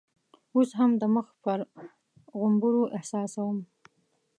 اوس هم د مخ پر غومبرو احساسوم.